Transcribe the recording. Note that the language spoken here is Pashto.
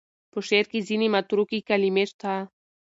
په شعر کې ځینې متروکې کلمې شته.